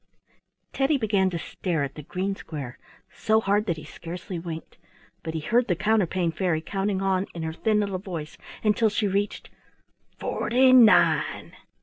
Teddy began to stare at the green square so hard that he scarcely winked, but he heard the Counterpane Fairy counting on in her thin little voice until she reached FORTY NINE.